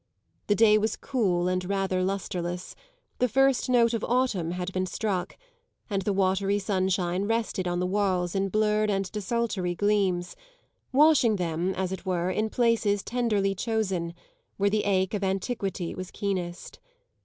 The day was cool and rather lustreless; the first note of autumn had been struck, and the watery sunshine rested on the walls in blurred and desultory gleams, washing them, as it were, in places tenderly chosen, where the ache of antiquity was keenest.